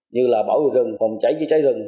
như là bảo vệ rừng phòng cháy cháy rừng